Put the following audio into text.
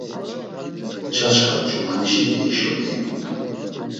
Çaçxa ç̌umanişiti hişo diyu.